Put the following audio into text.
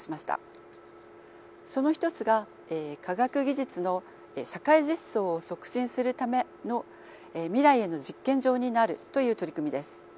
その一つが科学技術の社会実装を促進するための「未来への実験場になる」という取り組みです。